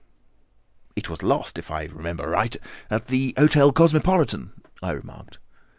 "It was lost, if I remember aright, at the Hotel Cosmopolitan," I remarked.